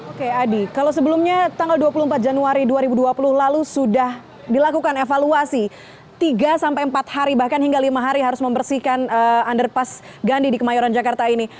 oke adi kalau sebelumnya tanggal dua puluh empat januari dua ribu dua puluh lalu sudah dilakukan evaluasi tiga sampai empat hari bahkan hingga lima hari harus membersihkan underpass gandhi di kemayoran jakarta ini